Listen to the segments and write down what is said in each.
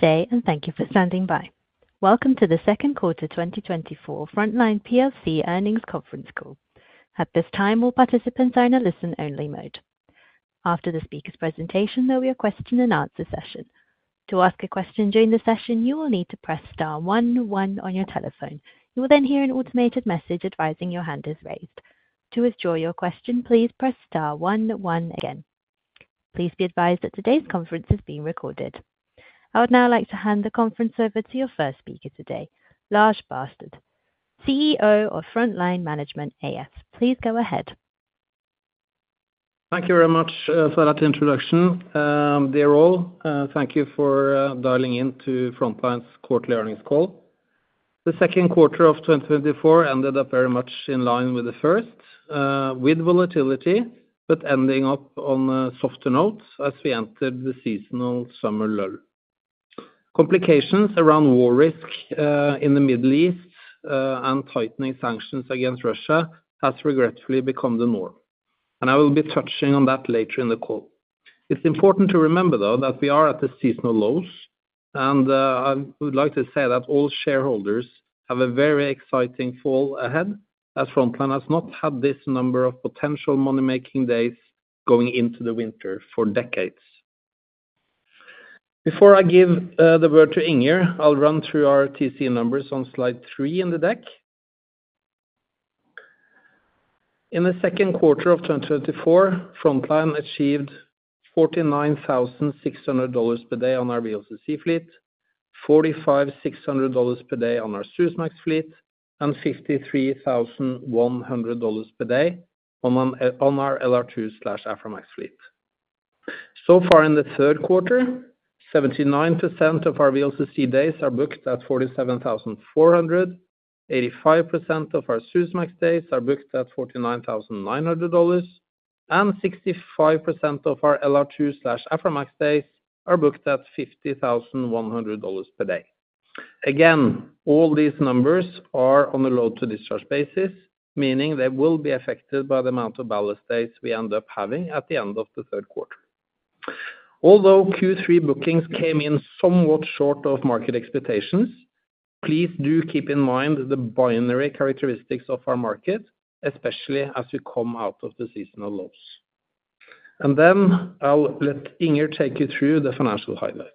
Good day, and thank you for standing by. Welcome to the second quarter 2024 Frontline PLC earnings conference call. At this time, all participants are in a listen-only mode. After the speaker's presentation, there will be a question-and-answer session. To ask a question during the session, you will need to press star one one on your telephone. You will then hear an automated message advising your hand is raised. To withdraw your question, please press star one one again. Please be advised that today's conference is being recorded. I would now like to hand the conference over to your first speaker today, Lars Barstad, CEO of Frontline Management AS. Please go ahead. Thank you very much, for that introduction. Dear all, thank you for, dialing in to Frontline's quarterly earnings call. The second quarter of 2024 ended up very much in line with the first, with volatility, but ending up on a softer note as we entered the seasonal summer lull. Complications around war risk, in the Middle East, and tightening sanctions against Russia has regretfully become the norm, and I will be touching on that later in the call. It's important to remember, though, that we are at the seasonal lows, and, I would like to say that all shareholders have a very exciting fall ahead, as Frontline has not had this number of potential money-making days going into the winter for decades. Before I give the word to Inger, I'll run through our TCE numbers on slide three in the deck. In the second quarter of 2024, Frontline achieved $49,600 per day on our VLCC fleet, $45,600 per day on Suezmax fleet, and $53,100 per day on our LR2/Aframax fleet. So far in the third quarter, 79% of our VLCC days are booked at $47,400, 85% of Suezmax days are booked at $49,900 dollars, and 65% of our LR2/Aframax days are booked at $50,100 per day. Again, all these numbers are on a load-to-discharge basis, meaning they will be affected by the amount of ballast days we end up having at the end of the third quarter. Although Q3 bookings came in somewhat short of market expectations, please do keep in mind the binary characteristics of our market, especially as we come out of the seasonal lows, and then I'll let Inger take you through the financial highlights.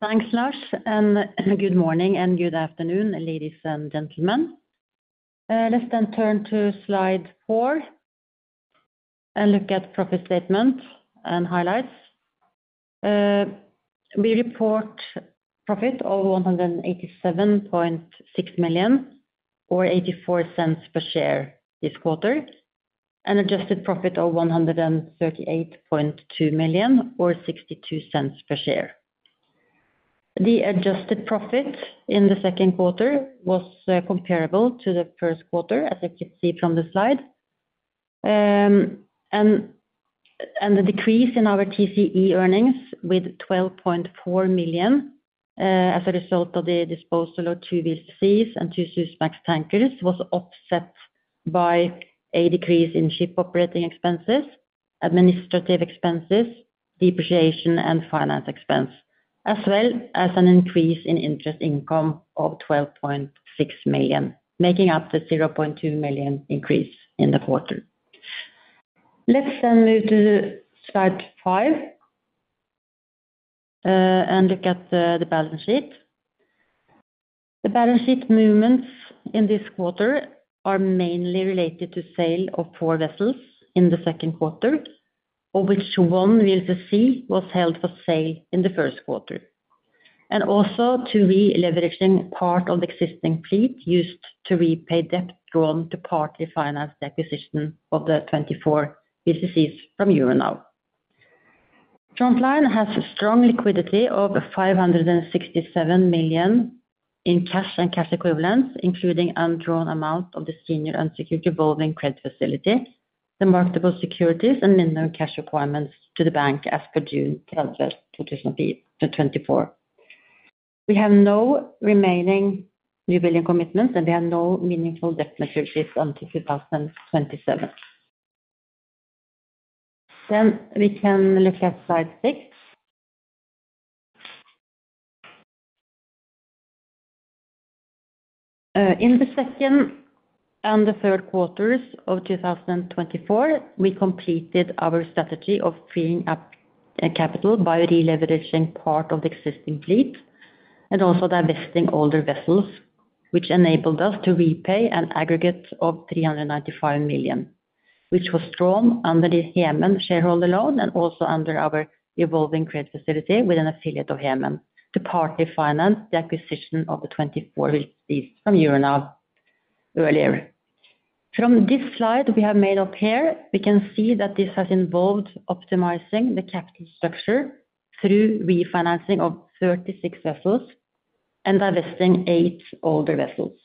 Thanks, Lars, and good morning and good afternoon, ladies and gentlemen. Let's then turn to slide four and look at profit statement and highlights. We report profit of $187.6 million, or $0.84 per share this quarter, and adjusted profit of $138.2 million, or $0.62 per share. The adjusted profit in the second quarter was comparable to the first quarter, as you can see from the slide, and the decrease in our TCE earnings with $12.4 million, as a result of the disposal of two VLCCs and Suezmax tankers, was offset by a decrease in ship operating expenses, administrative expenses, depreciation, and finance expense, as well as an increase in interest income of $12.6 million, making up the $0.2 million increase in the quarter. Let's then move to slide five and look at the balance sheet. The balance sheet movements in this quarter are mainly related to sale of four vessels in the second quarter, of which one VLCC was held for sale in the first quarter. And also to releveraging part of the existing fleet used to repay debt drawn to partly finance the acquisition of the 24 VLCCs from Euronav. Frontline has strong liquidity of $567 million in cash and cash equivalents, including undrawn amount of the senior unsecured revolving credit facility, the marketable securities and minimum cash requirements to the bank as per June 30, 2024. We have no remaining newbuilding commitments, and we have no meaningful debt maturities until 2027. We can look at slide six. In the second and the third quarters of 2024, we completed our strategy of freeing up capital by releveraging part of the existing fleet and also divesting older vessels, which enabled us to repay an aggregate of $395 million, which was drawn under the Hemen shareholder loan and also under our revolving credit facility with an affiliate of Hemen to partly finance the acquisition of the 24 VLCCs from Euronav earlier. From this slide, which we have up here, we can see that this has involved optimizing the capital structure through refinancing of 36 vessels and divesting eight older vessels.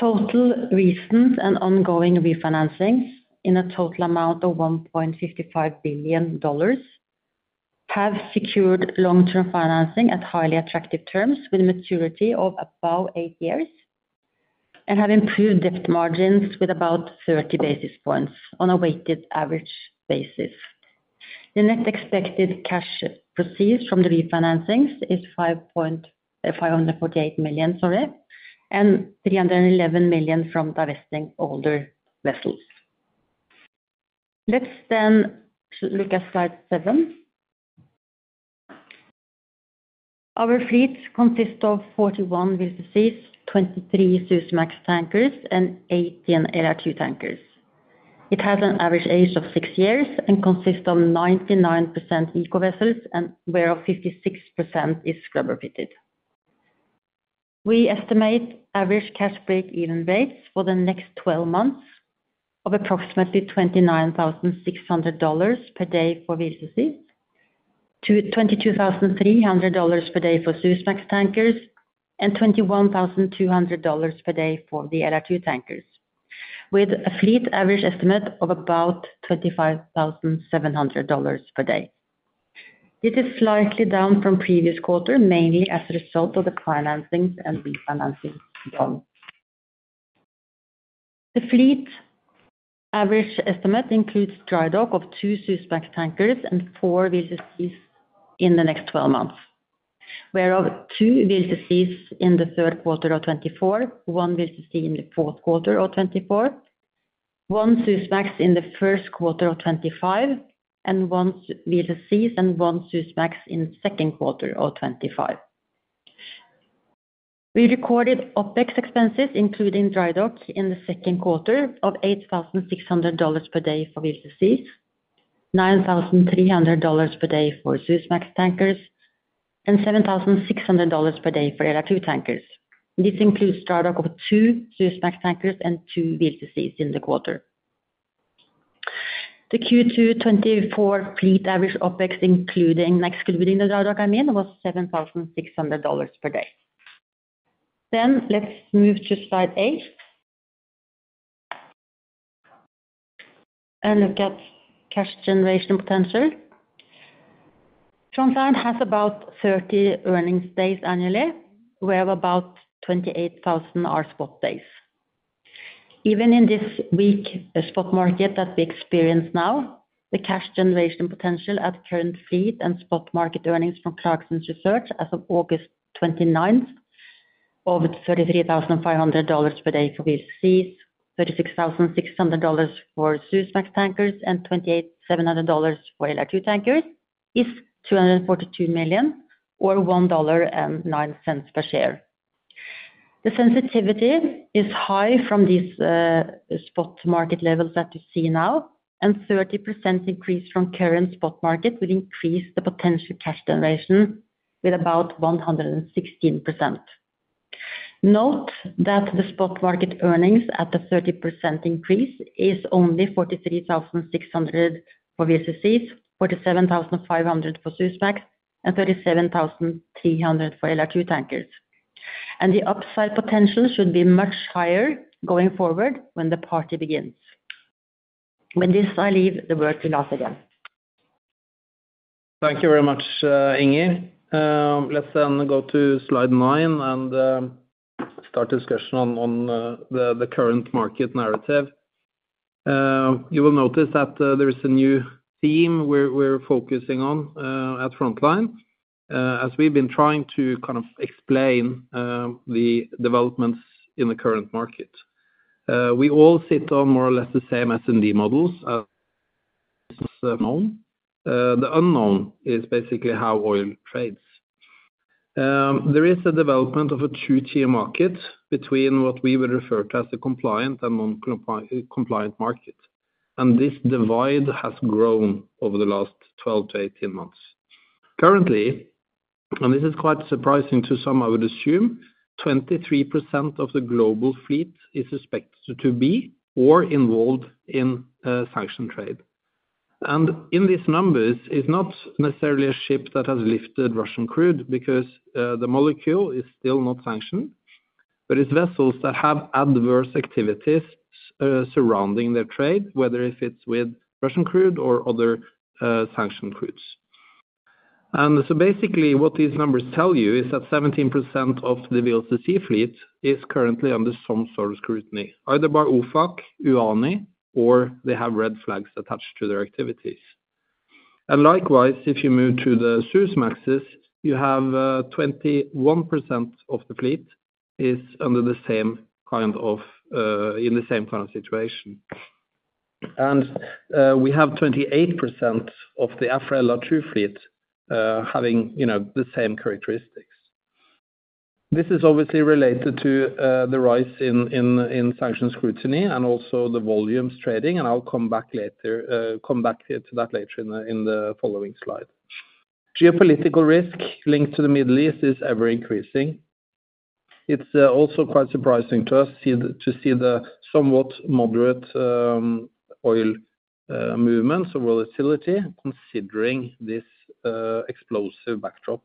Total recent and ongoing refinancings in a total amount of $1.55 billion have secured long-term financing at highly attractive terms with a maturity of about eight years.... And have improved debt margins with about 30 basis points on a weighted average basis. The next expected cash proceeds from the refinancings is $548 million, sorry, and $311 million from divesting older vessels. Let's then look at slide seven. Our fleet consists of 41 VLCC, Suezmax tankers, and 18 LR2 tankers. It has an average age of six years and consists of 99% eco vessels, and whereof 56% is scrubber fitted. We estimate average cash break-even rates for the next 12 months of approximately $29,600 per day for VLCC, to $22,300 per day Suezmax tankers, and $21,200 per day for the LR2 tankers, with a fleet average estimate of about $25,700 per day. This is slightly down from previous quarter, mainly as a result of the financings and refinancings done. The fleet average estimate includes dry dock of Suezmax tankers and four VLCCs in the next 12 months, whereof two VLCCs in the third quarter of 2024, one VLCC in the fourth quarter of 2024, Suezmax in the first quarter of 2025, and one VLCC, and one Suezmax in second quarter of 2025. We recorded OpEx expenses, including dry dock, in the second quarter of $8,600 per day for VLCCs, $9,300 per day for Suezmax tankers, and $7,600 per day for LR2 tankers. This includes dry dock of two Suezmax tankers and two VLCCs in the quarter. The Q2 2024 fleet average OpEx, including and excluding the dry dock, I mean, was $7,600 per day. Then let's move to slide eight and look at cash generation potential. Frontline has about 30 earnings days annually, where about 28,000 are spot days. Even in this weak spot market that we experience now, the cash generation potential at current fleet and spot market earnings from Clarksons Research as of August 29th, of $33,500 per day for VLCCs, $36,600 Suezmax tankers, and $28,700 for LR2 tankers, is $242 million, or $1.09 per share. The sensitivity is high from these spot market levels that you see now, and 30% increase from current spot market would increase the potential cash generation with about 116%. Note that the spot market earnings at the 30% increase is only $43,600 for VLCCs, $47,500 forSuezmax, and $37,300 for LR2 tankers. And the upside potential should be much higher going forward when the party begins. With this, I leave the floor to Lars again. Thank you very much, Inger. Let's then go to slide nine and start discussion on the current market narrative. You will notice that there is a new theme we're focusing on at Frontline, as we've been trying to kind of explain the developments in the current market. We all sit on more or less the same S&D models, as known. The unknown is basically how oil trades. There is a development of a two-tier market between what we would refer to as the compliant and non-compliant market, and this divide has grown over the last 12-18 months. Currently, and this is quite surprising to some, I would assume, 23% of the global fleet is suspected to be or involved in sanction trade. In these numbers, it's not necessarily a ship that has lifted Russian crude, because the molecule is still not sanctioned, but it's vessels that have adverse activities surrounding their trade, whether if it's with Russian crude or other sanctioned crudes. So basically, what these numbers tell you is that 17% of the VLCC fleet is currently under some sort of scrutiny, either by OFAC, UANI, or they have red flags attached to their activities. Likewise, if you move to the Suezmaxes, you have 21% of the fleet under the same kind of situation. We have 28% of the Aframax/LR2 fleet having you know the same characteristics. This is obviously related to the rise in sanction scrutiny and also the volumes trading, and I'll come back later to that later in the following slide. Geopolitical risk linked to the Middle East is ever increasing. It's also quite surprising to us to see the somewhat moderate oil movements or volatility considering this explosive backdrop.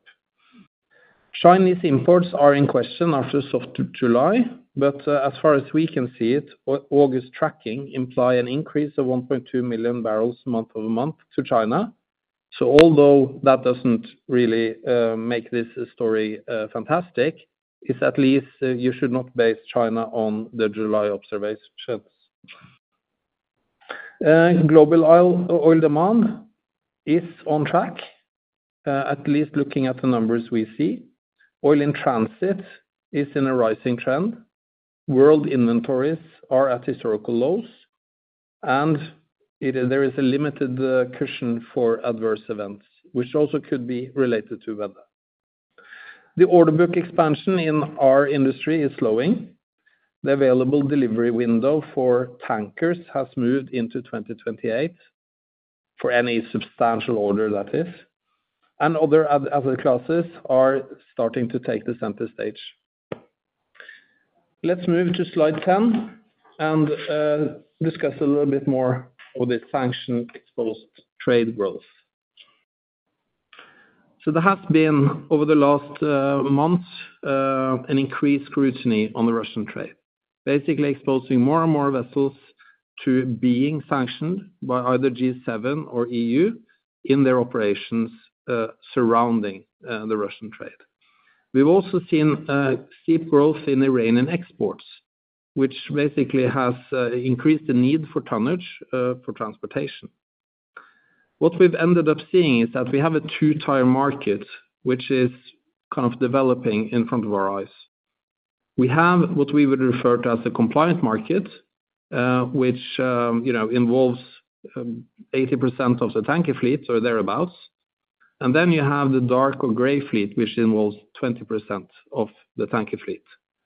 Chinese imports are in question after sort of July, but as far as we can see it, August tracking imply an increase of 1.2 million barrels month over month to China.... So although that doesn't really make this story fantastic, it's at least you should not base China on the July observations. Global oil demand is on track, at least looking at the numbers we see. Oil in transit is in a rising trend. World inventories are at historical lows, and there is a limited cushion for adverse events, which also could be related to weather. The order book expansion in our industry is slowing. The available delivery window for tankers has moved into 2028 for any substantial order that is, and other classes are starting to take the center stage. Let's move to slide 10, and discuss a little bit more on the sanction-exposed trade growth. So there has been over the last months an increased scrutiny on the Russian trade. Basically, exposing more and more vessels to being sanctioned by either G7 or EU in their operations surrounding the Russian trade. We've also seen steep growth in Iranian exports, which basically has increased the need for tonnage for transportation. What we've ended up seeing is that we have a two-tier market, which is kind of developing in front of our eyes. We have what we would refer to as the compliant market, which, you know, involves 80% of the tanker fleet or thereabout, and then you have the dark or gray fleet, which involves 20% of the tanker fleet,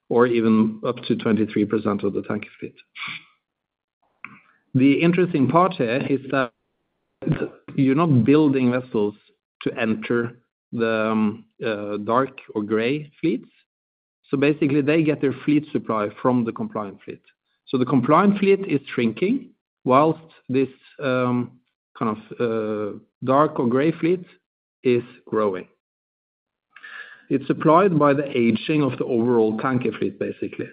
or even up to 23% of the tanker fleet. The interesting part here is that you're not building vessels to enter the dark or gray fleets, so basically, they get their fleet supply from the compliant fleet, so the compliant fleet is shrinking, while this kind of dark or gray fleet is growing. It's supplied by the aging of the overall tanker fleet, basically,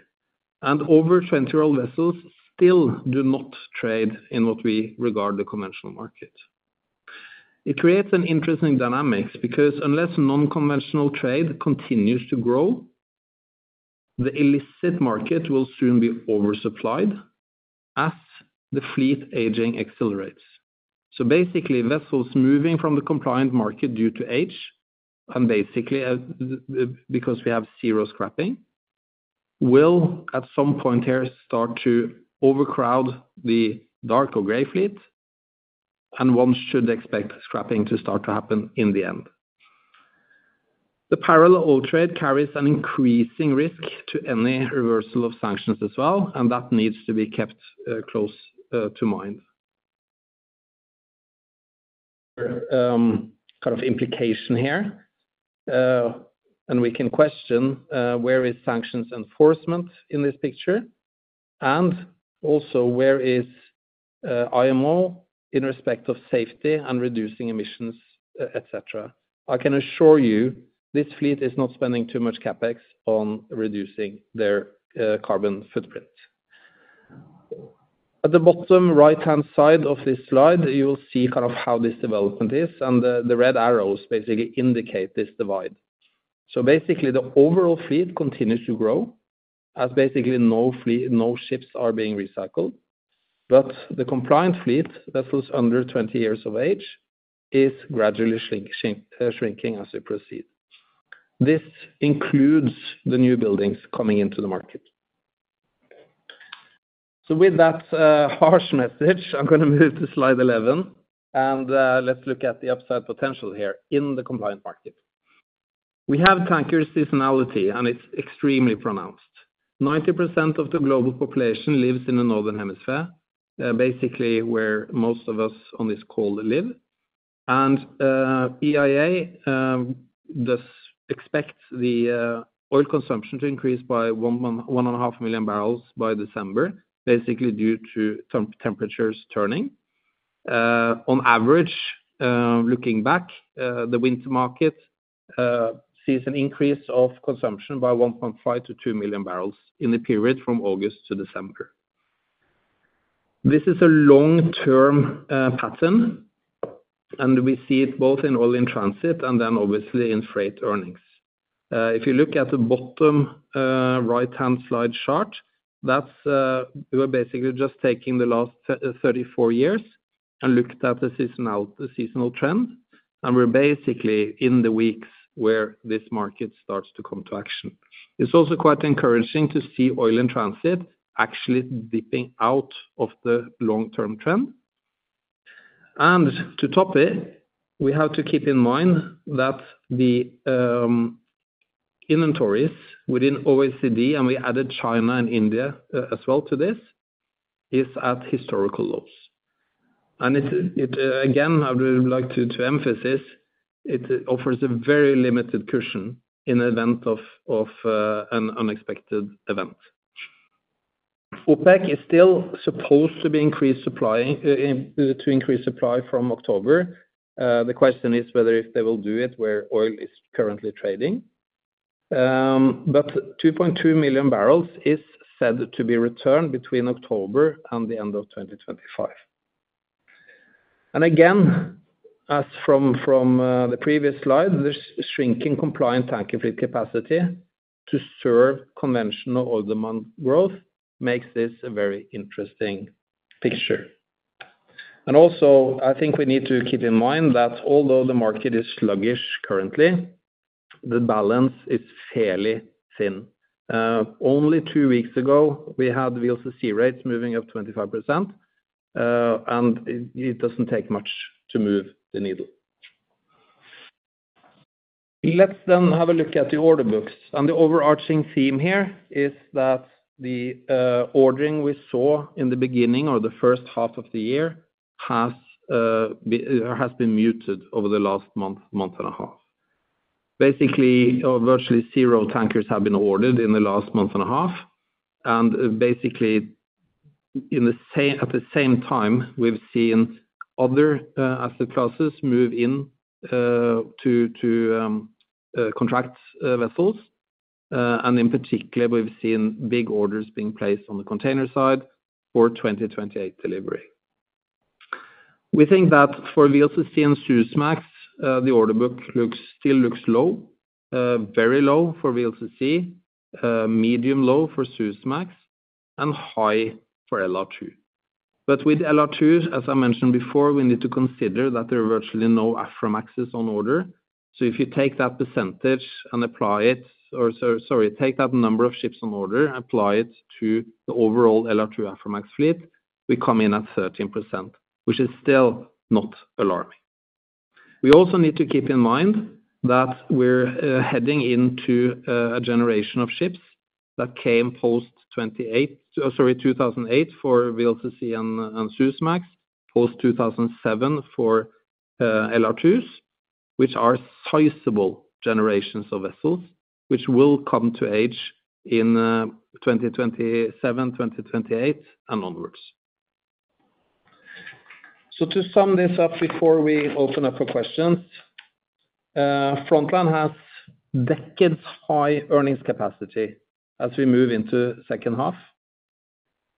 and over 20 year old vessels still do not trade in what we regard the conventional market. It creates an interesting dynamics, because unless non-conventional trade continues to grow, the illicit market will soon be oversupplied as the fleet aging accelerates, so basically, vessels moving from the compliant market due to age, and basically, because we have zero scrapping, will, at some point here, start to overcrowd the dark or gray fleet, and one should expect scrapping to start to happen in the end. The parallel oil trade carries an increasing risk to any reversal of sanctions as well, and that needs to be kept close to mind. Kind of implication here, and we can question where is sanctions enforcement in this picture, and also, where is IMO in respect of safety and reducing emissions, et cetera. I can assure you, this fleet is not spending too much CapEx on reducing their carbon footprint. At the bottom right-hand side of this slide, you will see kind of how this development is, and the red arrows basically indicate this divide. So basically, the overall fleet continues to grow, as basically no fleet, no ships are being recycled. But the compliant fleet, vessels under twenty years of age, is gradually shrinking as we proceed. This includes the new buildings coming into the market. So with that harsh message, I'm gonna move to slide 11, and let's look at the upside potential here in the compliant market. We have tanker seasonality, and it's extremely pronounced. 90% of the global population lives in the Northern Hemisphere, basically, where most of us on this call live. EIA does expect the oil consumption to increase by 1.5 million bbl by December, basically due to some temperatures turning. On average, looking back, the winter market sees an increase of consumption by 1.5 million bbl to 2 million bbl in the period from August to December. This is a long-term pattern, and we see it both in oil in transit and then obviously in freight earnings. If you look at the bottom right-hand slide chart, that's we're basically just taking the last 34 years and looked at the seasonal trend, and we're basically in the weeks where this market starts to come to action. It's also quite encouraging to see oil in transit actually dipping out of the long-term trend. And to top it, we have to keep in mind that the inventories within OECD, and we added China and India as well to this, is at historical lows. And it again, I would like to emphasize, it offers a very limited cushion in event of an unexpected event. OPEC is still supposed to be increased supply to increase supply from October. The question is whether if they will do it where oil is currently trading.... But 2.2 million bbl is said to be returned between October and the end of 2025. And again, as from the previous slide, this shrinking compliant tanker fleet capacity to serve conventional oil demand growth makes this a very interesting picture. And also, I think we need to keep in mind that although the market is sluggish currently, the balance is fairly thin. Only two weeks ago, we had VLCC rates moving up 25%, and it doesn't take much to move the needle. Let's then have a look at the order books. And the overarching theme here is that the ordering we saw in the beginning or the first half of the year has been muted over the last month and a half. Basically, or virtually zero tankers have been ordered in the last month and a half, and basically, at the same time, we've seen other asset classes move in to contract vessels. And in particular, we've seen big orders being placed on the container side for 2028 delivery. We think that for VLCC Suezmax, the order book still looks low, very low for VLCC, medium low forSuezmax, and high for LR2. But with LR2, as I mentioned before, we need to consider that there are virtually no Aframaxes on order. So if you take that percentage and apply it, sorry, take that number of ships on order, apply it to the overall LR2 Aframax fleet, we come in at 13%, which is still not alarming. We also need to keep in mind that we're heading into a generation of ships that came post 2008 for VLCC andSuezmax. Post 2007 for LR2s, which are sizable generations of vessels, which will come to age in 2027, 2028, and onwards. So to sum this up before we open up for questions, Frontline has decades high earnings capacity as we move into second half.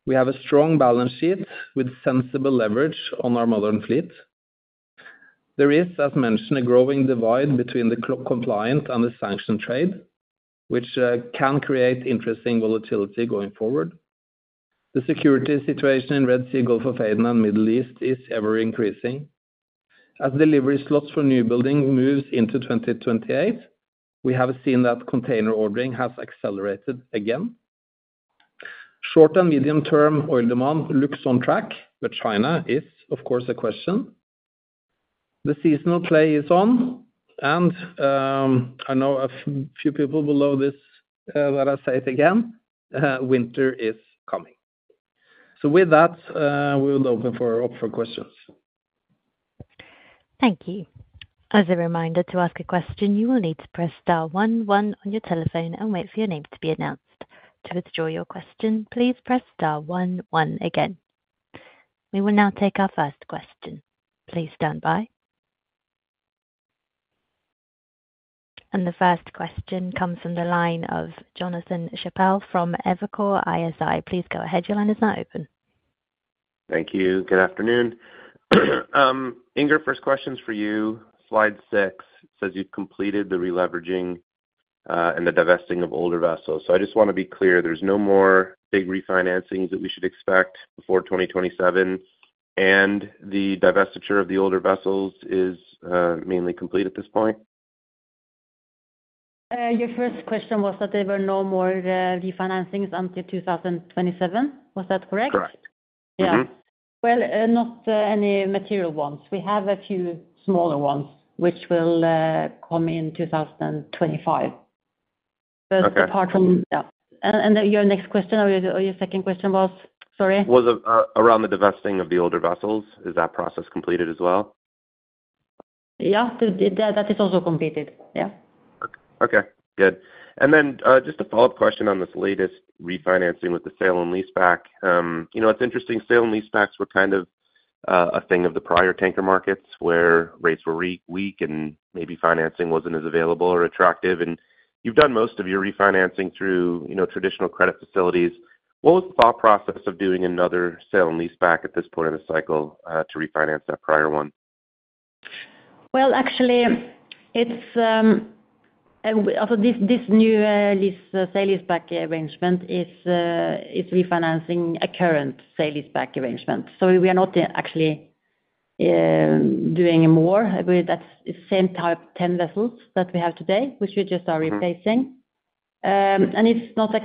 We have a strong balance sheet with sensible leverage on our modern fleet. There is, as mentioned, a growing divide between the compliant and the sanctioned trade, which can create interesting volatility going forward. The security situation in Red Sea, Gulf of Aden, and Middle East is ever-increasing. As delivery slots for new building moves into 2028, we have seen that container ordering has accelerated again. Short and medium-term oil demand looks on track, but China is, of course, a question. The seasonal play is on, and I know a few people will know this, but I'll say it again, winter is coming. So with that, we will open up for questions. Thank you. As a reminder, to ask a question, you will need to press star one one on your telephone and wait for your name to be announced. To withdraw your question, please press star one one again. We will now take our first question. Please stand by. And the first question comes from the line of Jonathan Chappell from Evercore ISI. Please go ahead. Your line is now open. Thank you. Good afternoon. Inger, first question's for you. Slide six says you've completed the releveraging, and the divesting of older vessels. So I just want to be clear, there's no more big refinancings that we should expect before 2027, and the divestiture of the older vessels is mainly complete at this point? Your first question was that there were no more refinancings until 2027. Was that correct? Correct. Mm-hmm. Yeah, well, not any material ones. We have a few smaller ones, which will come in 2025. Okay. But apart from... Yeah. And your next question or your second question was? Sorry. Was around the divesting of the older vessels. Is that process completed as well? Yeah, that is also completed. Yeah. Okay, good. And then, just a follow-up question on this latest refinancing with the sale and lease back. You know, it's interesting, sale and lease backs were kind of a thing of the prior tanker markets, where rates were weak and maybe financing wasn't as available or attractive. And you've done most of your refinancing through, you know, traditional credit facilities. What was the thought process of doing another sale and lease back at this point in the cycle, to refinance that prior one? Actually, it's, and also, this new lease sale and lease back arrangement is refinancing a current sale leaseback arrangement, so we are not actually doing more. I believe that's the same type, 10 vessels that we have today, which we just are replacing, and it's not a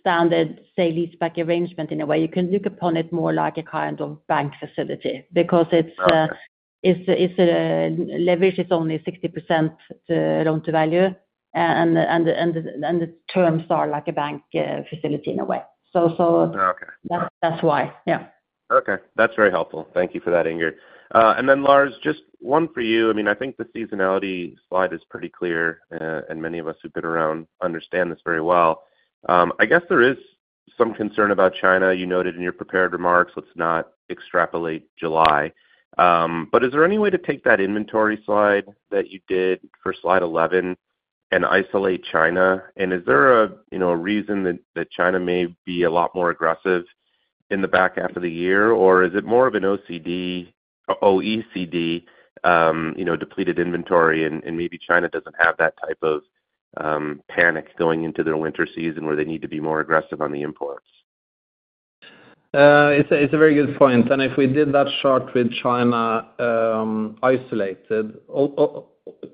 standard sale leaseback arrangement in a way. You can look upon it more like a kind of bank facility, because it's. Okay. It's leverage is only 60% loan-to-value, and the terms are like a bank facility in a way. So, Okay. That's, that's why. Yeah. Okay. That's very helpful. Thank you for that, Inger. And then, Lars, just one for you. I mean, I think the seasonality slide is pretty clear, and many of us who've been around understand this very well. I guess there is some concern about China. You noted in your prepared remarks, let's not extrapolate July. But is there any way to take that inventory slide that you did for slide 11 and isolate China? And is there a, you know, a reason that, that China may be a lot more aggressive in the back half of the year? Or is it more of an OECD, you know, depleted inventory, and maybe China doesn't have that type of panic going into their winter season, where they need to be more aggressive on the imports? It's a very good point, and if we did that chart with China, isolated,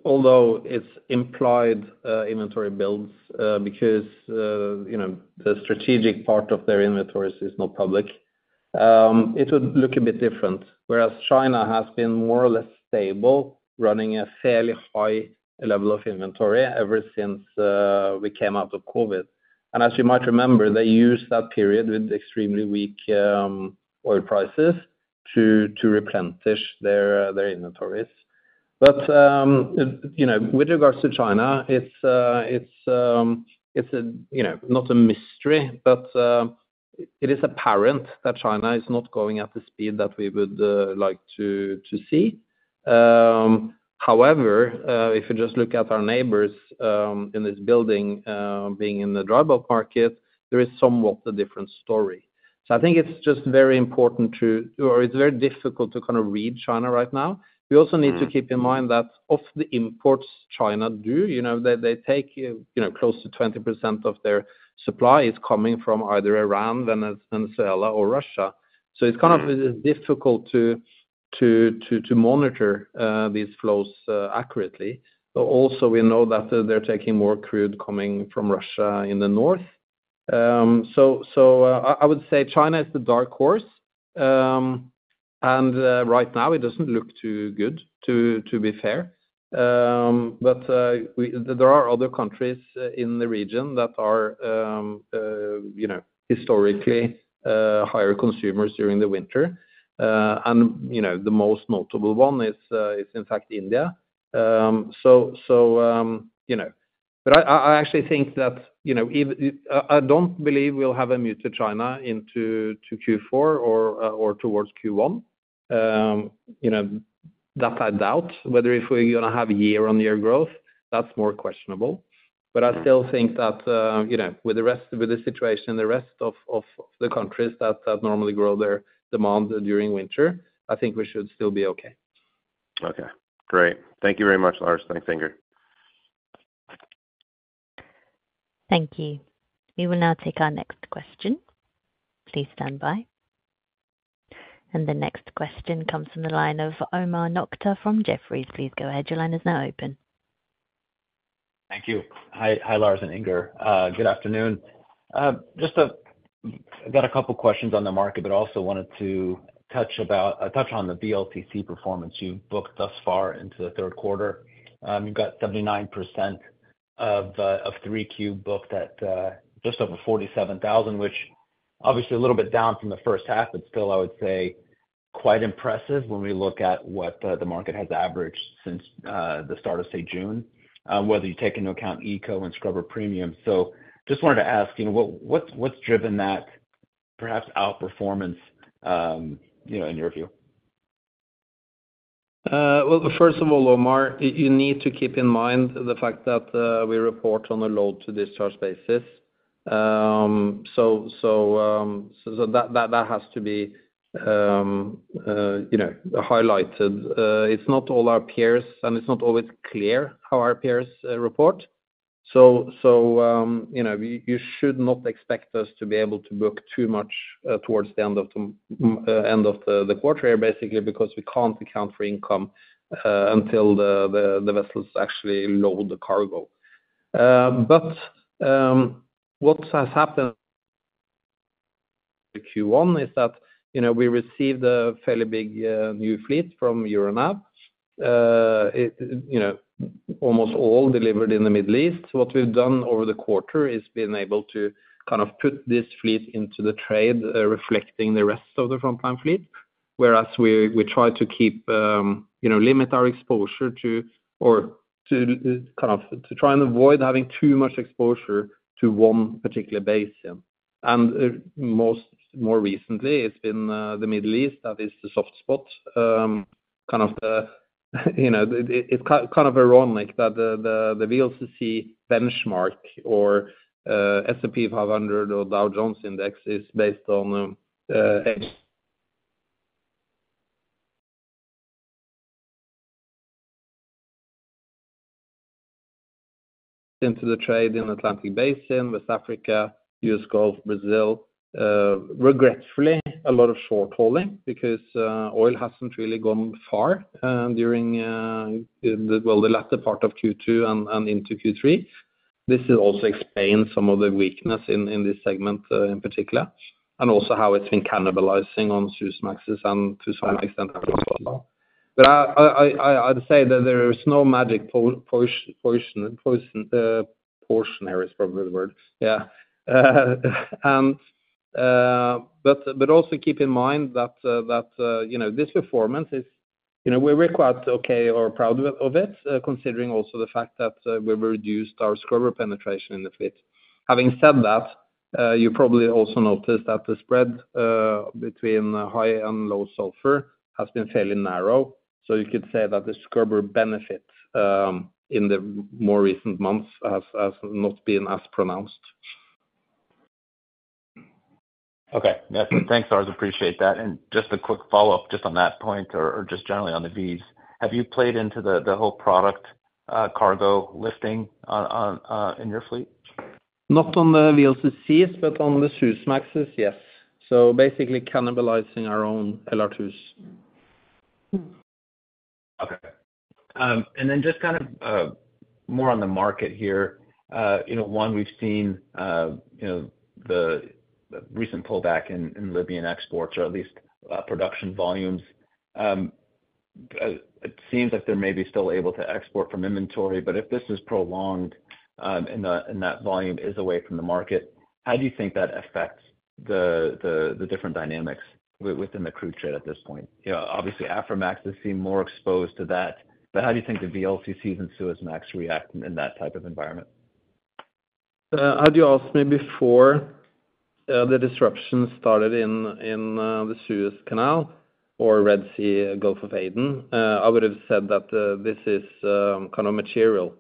although it's implied, inventory builds, because, you know, the strategic part of their inventories is not public, it would look a bit different. Whereas China has been more or less stable, running a fairly high level of inventory ever since we came out of COVID. And as you might remember, they used that period with extremely weak oil prices to replenish their inventories. But, you know, with regards to China, it's a, you know, not a mystery, but it is apparent that China is not going at the speed that we would like to see. However, if you just look at our neighbors in this building, being in the dry bulk market, there is somewhat a different story. So I think it's just very important to or it's very difficult to kind of read China right now. We also need to keep in mind that of the imports China do, you know, they take, you know, close to 20% of their supply is coming from either Iran, Venezuela, or Russia. So it's kind of difficult to monitor these flows accurately. But also, we know that they're taking more crude coming from Russia in the north. So I would say China is the dark horse, and right now it doesn't look too good, to be fair. But there are other countries in the region that are, you know, historically higher consumers during the winter. And, you know, the most notable one is, in fact, India. So, you know. But I actually think that, you know, I don't believe we'll have a move to China into Q4 or towards Q1. You know, that I doubt. Whether if we're gonna have year-on-year growth, that's more questionable. But I still think that, you know, with the rest, with the situation, the rest of the countries that normally grow their demand during winter, I think we should still be okay. Okay, great. Thank you very much, Lars. Thanks, Inger. Thank you. We will now take our next question. Please stand by. And the next question comes from the line of Omar Nokta from Jefferies. Please go ahead. Your line is now open. Thank you. Hi, Lars and Inger. Good afternoon. Just got a couple questions on the market, but also wanted to touch on the VLCC performance you've booked thus far into the third quarter. You've got 79% of 3Q booked at just over $47,000, which obviously a little bit down from the first half, but still, I would say, quite impressive when we look at what the market has averaged since the start of, say, June, whether you take into account eco and scrubber premium. So just wanted to ask, you know, what what's driven that perhaps outperformance, you know, in your view? Well, first of all, Omar, you need to keep in mind the fact that we report on a load-to-discharge basis. So that has to be you know, highlighted. It's not all our peers, and it's not always clear how our peers report. So you know, you should not expect us to be able to book too much towards the end of the end of the quarter, basically, because we can't account for income until the vessels actually load the cargo. But what has happened the Q1 is that you know, we received a fairly big new fleet from Euronav. It you know, almost all delivered in the Middle East. What we've done over the quarter is been able to kind of put this fleet into the trade, reflecting the rest of the Frontline fleet. Whereas we try to keep, you know, limit our exposure to, kind of, to try and avoid having too much exposure to one particular basin. And more recently, it's been the Middle East, that is the soft spot. Kind of the, you know, it's kind of ironic that the VLCC benchmark or S&P 500 or Dow Jones Index is based on. Into the trade in Atlantic Basin with Africa, US Gulf, Brazil. Regretfully, a lot of short hauling because oil hasn't really gone far during well, the latter part of Q2 and into Q3. This also explains some of the weakness in this segment in particular, and also how it's been cannibalizing Suezmax and to some extent as well. But I'd say that there is no magic portion is probably the word, yeah. But also keep in mind that you know, this performance is- You know, we're quite okay or proud of it, considering also the fact that we've reduced our scrubber penetration in the fleet. Having said that, you probably also noticed that the spread between high and low sulfur has been fairly narrow, so you could say that the scrubber benefit in the more recent months has not been as pronounced. Okay. Yeah, thanks, Lars. Appreciate that. And just a quick follow-up, just on that point, or just generally on the VLCCs. Have you played into the whole product cargo lifting on, on, in your fleet? Not on the VLCCs, but on Suezmaxes, yes. So basically cannibalizing our own LR2s. Okay. And then just kind of more on the market here. You know, we've seen the recent pullback in Libyan exports, or at least production volumes. It seems like they may be still able to export from inventory, but if this is prolonged and that volume is away from the market, how do you think that affects the different dynamics within the crude trade at this point? You know, obviously, Aframaxes seem more exposed to that, but how do you think the VLCCs Suezmax react in that type of environment? Had you asked me before the disruption started in the Suez Canal or Red Sea, Gulf of Aden, I would have said that this is kind of material,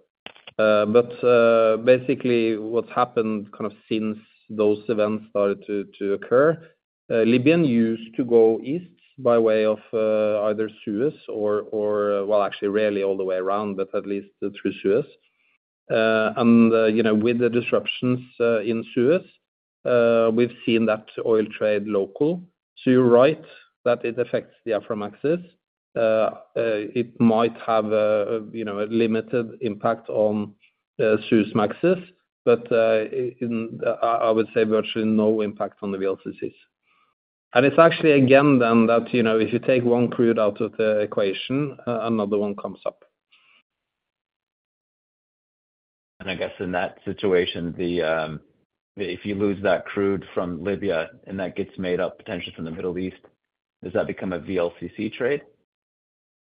but basically what's happened kind of since those events started to occur, Libyan used to go east by way of either Suez or, well, actually rarely all the way around, but at least through Suez, and you know, with the disruptions in Suez, we've seen that oil trade local, so you're right that it affects the Aframaxes. It might have a, you know, a limited impact Suezmaxes, but I would say virtually no impact on the VLCCs, and it's actually again, then, that, you know, if you take one crude out of the equation, another one comes up. I guess in that situation, the, if you lose that crude from Libya, and that gets made up potentially from the Middle East, does that become a VLCC trade?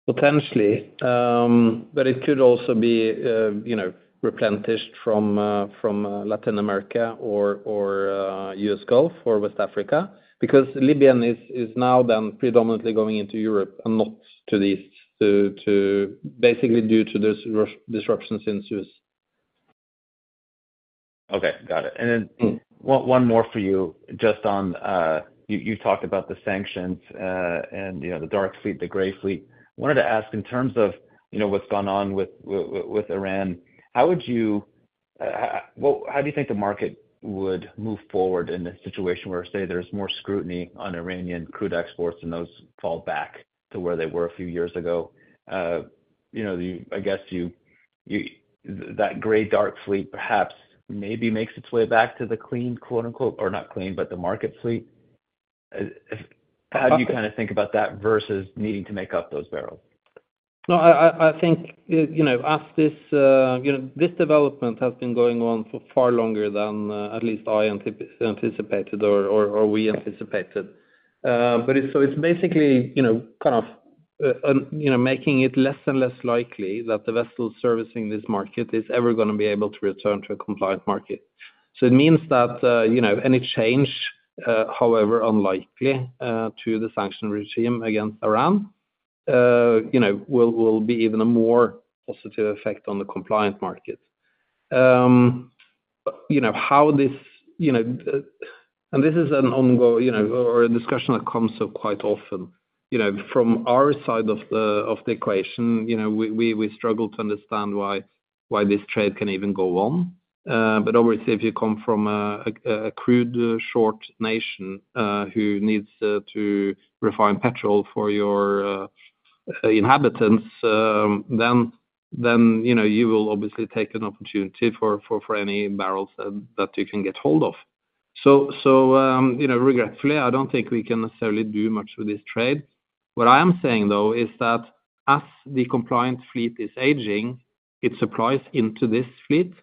Potentially, but it could also be, you know, replenished from Latin America or US Gulf or West Africa, because Libyan is now then predominantly going into Europe and not to the east, basically due to those Russian disruptions in Suez. Okay, got it, and then one more for you, just on, you talked about the sanctions, and, you know, the dark fleet, the gray fleet. Wanted to ask, in terms of, you know, what's gone on with, with Iran, how would you, how do you think the market would move forward in a situation where, say, there's more scrutiny on Iranian crude exports, and those fall back to where they were a few years ago? You know, I guess you, that gray dark fleet perhaps maybe makes its way back to the "clean," quote, unquote, or not clean, but the market fleet. If- Okay. How do you kind of think about that versus needing to make up those barrels? No, I think, you know, as this, you know, this development has been going on for far longer than, at least I anticipated, or we anticipated. But it's, so it's basically, you know, kind of, you know, making it less and less likely that the vessels servicing this market is ever gonna be able to return to a compliant market. So it means that, you know, any change, however unlikely, to the sanction regime against Iran, you know, will be even a more positive effect on the compliant market. You know, how this, you know, and this is an ongoing, you know, or a discussion that comes up quite often. You know, from our side of the equation, you know, we struggle to understand why this trade can even go on. But obviously, if you come from a crude short nation who needs to refine petrol for your inhabitants, then you know, you will obviously take an opportunity for any barrels that you can get hold of. So, you know, regretfully, I don't think we can necessarily do much with this trade. What I am saying, though, is that as the compliant fleet is aging, it supplies into this fleet,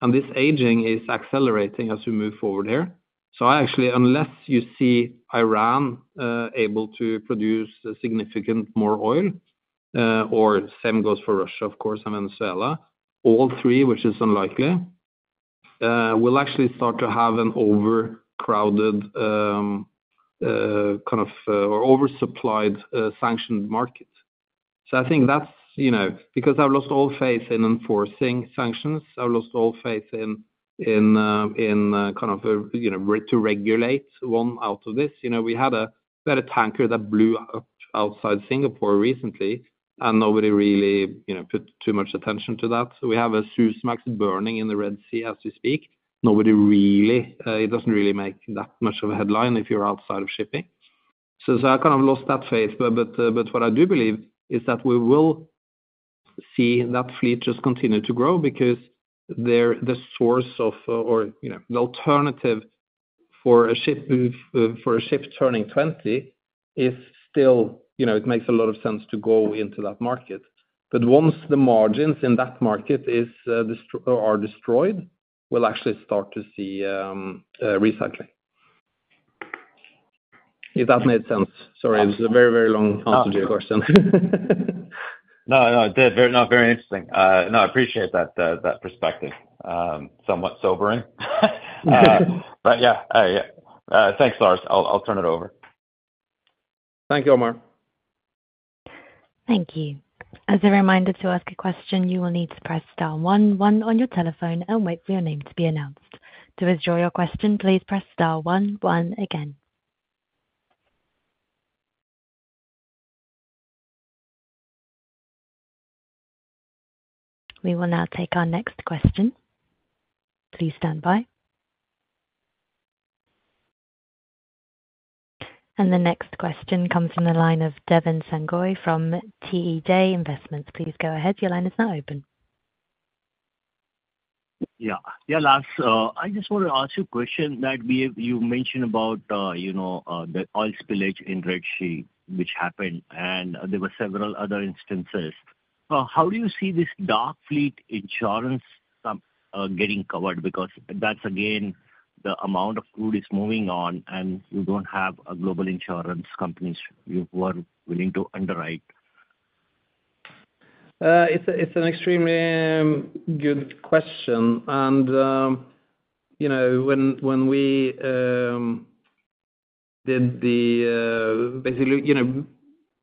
and this aging is accelerating as we move forward here. So actually, unless you see Iran able to produce significant more oil, or same goes for Russia, of course, and Venezuela, all three, which is unlikely, we'll actually start to have an overcrowded, kind of, or oversupplied, sanctioned market. So I think that's, you know, because I've lost all faith in enforcing sanctions, I've lost all faith in, in, kind of, you know, to regulate one out of this. You know, we had a tanker that blew up outside Singapore recently, and nobody really, you know, put too much attention to that. So we have Suezmax burning in the Red Sea as we speak. Nobody really, it doesn't really make that much of a headline if you're outside of shipping. So I kind of lost that faith. But what I do believe is that we will see that fleet just continue to grow because they're the source of, or, you know, the alternative for a ship turning 20 is still, you know, it makes a lot of sense to go into that market. But once the margins in that market are destroyed, we'll actually start to see recycling. If that made sense. Sorry, it was a very, very long answer to your question. No, no, it did. Very interesting. I appreciate that perspective, somewhat sobering. But yeah, yeah. Thanks, Lars. I'll turn it over. Thank you, Omar. Thank you. As a reminder, to ask a question, you will need to press star one one on your telephone and wait for your name to be announced. To withdraw your question, please press star one one again. We will now take our next question. Please stand by. And the next question comes from the line of Devin Sangoi from TEJ Investments. Please go ahead. Your line is now open. Yeah. Yeah, Lars, I just want to ask you a question that we have. You mentioned about, you know, the oil spillage in Red Sea, which happened, and there were several other instances. How do you see this dark fleet insurance getting covered? Because that's, again, the amount of crude is moving on, and you don't have a global insurance companies who are willing to underwrite. It's an extremely good question, and you know, when we did basically, you know,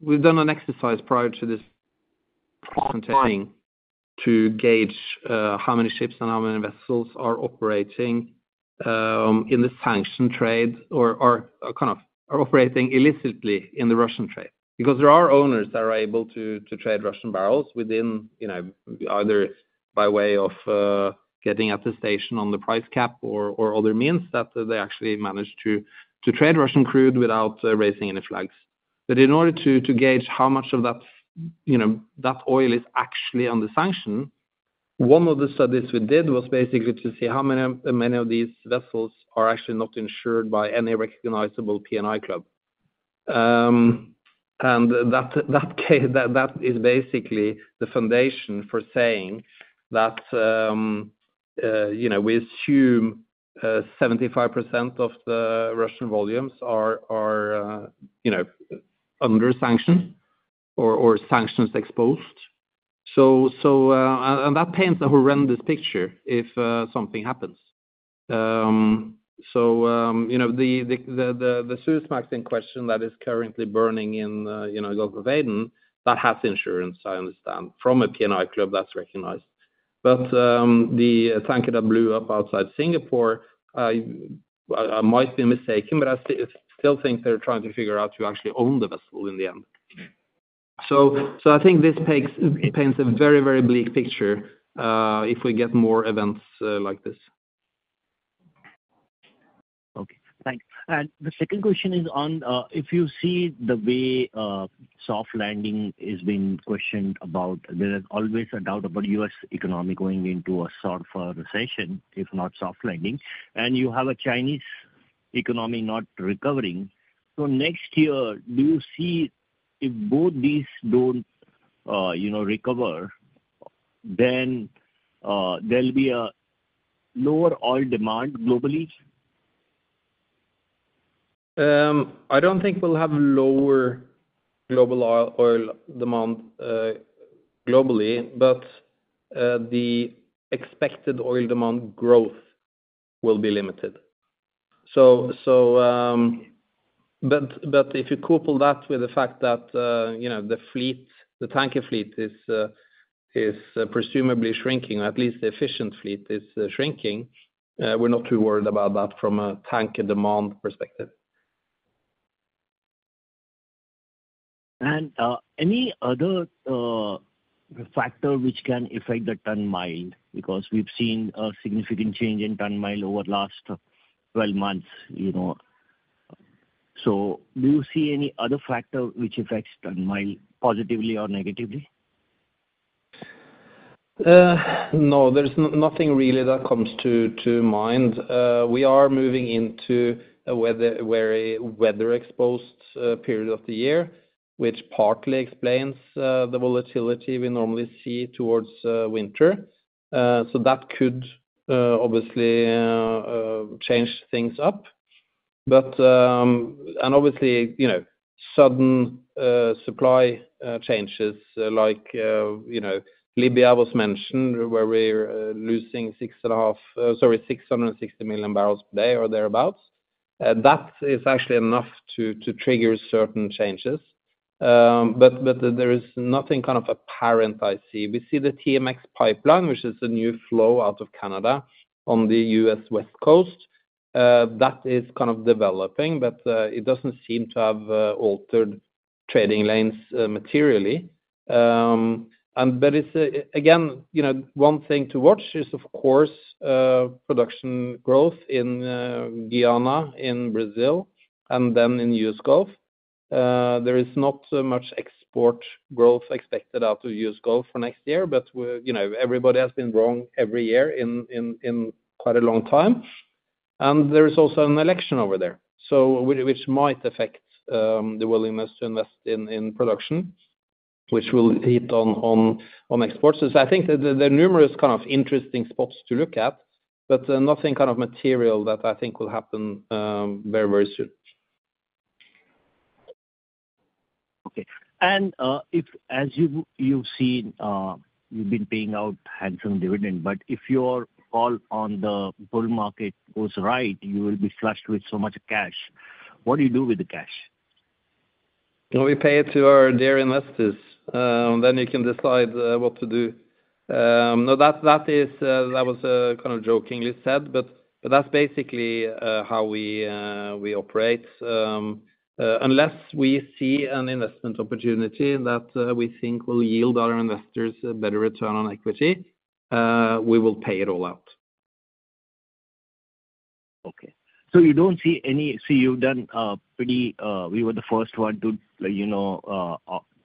we've done an exercise prior to this continuing to gauge how many ships and how many vessels are operating in the sanction trade or kind of are operating illicitly in the Russian trade. Because there are owners that are able to trade Russian barrels within, you know, either by way of getting an exemption on the price cap or other means that they actually manage to trade Russian crude without raising any flags. But in order to gauge how much of that, you know, that oil is actually under sanction, one of the studies we did was basically to see how many of these vessels are actually not insured by any recognizable P&I club. And that is basically the foundation for saying that, you know, we assume 75% of the Russian volumes are under sanction or sanctions exposed. So and that paints a horrendous picture if something happens. So, you know, Suezmax in question that is currently burning in Gulf of Aden, that has insurance, I understand, from a P&I club that's recognized. But the tanker that blew up outside Singapore, I might be mistaken, but I still think they're trying to figure out who actually owned the vessel in the end. So I think this paints a very bleak picture if we get more events like this. Okay, thanks. And the second question is on, if you see the way, soft landing is being questioned about, there is always a doubt about U.S. economy going into a sort of a recession, if not soft landing, and you have a Chinese economy not recovering. So next year, do you see if both these don't, you know, recover, then, there'll be a lower oil demand globally? I don't think we'll have lower global oil demand globally, but the expected oil demand growth will be limited. So, but if you couple that with the fact that, you know, the fleet, the tanker fleet is presumably shrinking, or at least the efficient fleet is shrinking, we're not too worried about that from a tanker demand perspective. Any other factor which can affect the ton mile? Because we've seen a significant change in ton mile over last twelve months, you know. Do you see any other factor which affects ton mile positively or negatively? No, there's nothing really that comes to mind. We are moving into a very weather-exposed period of the year, which partly explains the volatility we normally see towards winter. So that could obviously change things up. But obviously, you know, sudden supply changes like, you know, Libya was mentioned, where we're losing six and a half, sorry, 660 MMbpd or thereabout. That is actually enough to trigger certain changes. But there is nothing kind of apparent I see. We see the TMX pipeline, which is a new flow out of Canada on the U.S. West Coast, that is kind of developing, but it doesn't seem to have altered trading lanes materially. But it's, again, you know, one thing to watch is, of course, production growth in Guyana, in Brazil, and then in U.S. Gulf. There is not much export growth expected out of U.S. Gulf for next year, but we're, you know, everybody has been wrong every year in quite a long time. And there is also an election over there, so which might affect the willingness to invest in production, which will hit on exports. I think that there are numerous kind of interesting spots to look at, but nothing kind of material that I think will happen very soon. Okay. And if, as you've seen, you've been paying out handsome dividend, but if your call on the bull market goes right, you will be flushed with so much cash. What do you do with the cash? Well, we pay it to our dear investors, then they can decide what to do. No, that was kind of jokingly said, but that's basically how we operate. Unless we see an investment opportunity that we think will yield our investors a better return on equity, we will pay it all out. Okay. So you don't see any... so you've done pretty. We were the first one to, you know,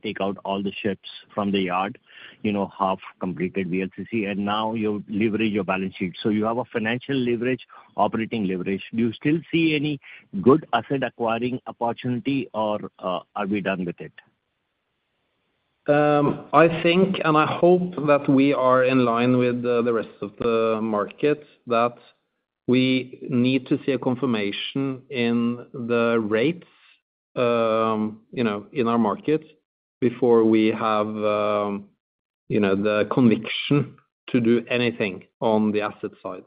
take out all the ships from the yard, you know, half completed VLCC, and now you leverage your balance sheet. So you have a financial leverage, operating leverage. Do you still see any good asset acquiring opportunity or are we done with it? I think, and I hope that we are in line with the rest of the market, that we need to see a confirmation in the rates, you know, in our market before we have the conviction to do anything on the asset side.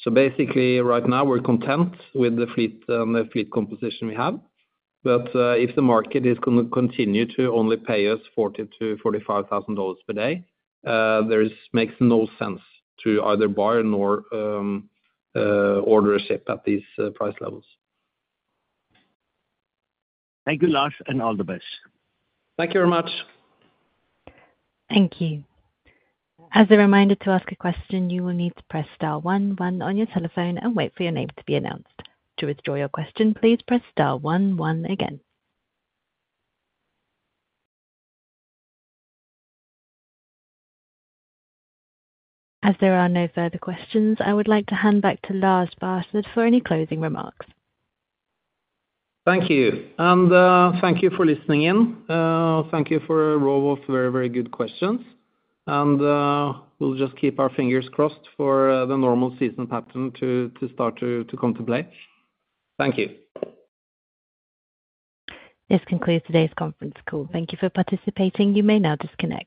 So basically, right now we're content with the fleet, the fleet composition we have. But if the market is gonna continue to only pay us $40,000-$45,000 per day, it makes no sense to either buy or order a ship at these price levels. Thank you, Lars, and all the best. Thank you very much. Thank you. As a reminder, to ask a question, you will need to press star one one on your telephone and wait for your name to be announced. To withdraw your question, please press star one one again. As there are no further questions, I would like to hand back to Lars Barstad for any closing remarks. Thank you. And, thank you for listening in. Thank you for a row of very, very good questions. And, we'll just keep our fingers crossed for the normal season pattern to start to come to play. Thank you. This concludes today's conference call. Thank you for participating. You may now disconnect.